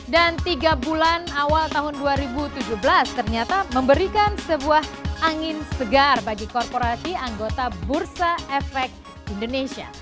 dan tiga bulan awal tahun dua ribu tujuh belas ternyata memberikan sebuah angin segar bagi korporasi anggota bursa efek indonesia